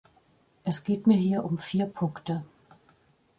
Es geht mir hier um vier Punkte.